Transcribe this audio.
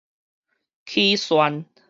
起訕